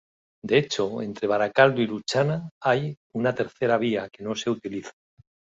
De hecho entre Baracaldo y Luchana hay una tercera vía que no se utiliza.